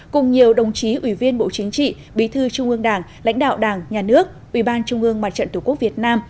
cùng nhiều đồng chí ủy viên bộ chính trị bí thư trung ương đảng lãnh đạo đảng nhà nước ủy ban trung ương mặt trận tổ quốc việt nam